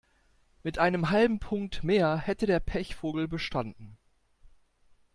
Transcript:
Mit einem halben Punkt mehr hätte der Pechvogel bestanden.